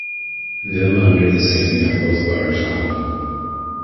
Vim under the sink and both bars on.